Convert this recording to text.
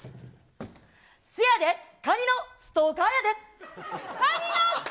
せやで、カニのストーカーや！